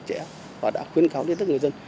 trẻ và đã khuyến kháo đến tất cả người dân